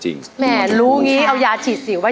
แหม่รู้งี้เอายาฉีดสิวไว้